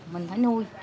mình phải nuôi